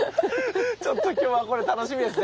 ちょっと今日はこれ楽しみですね。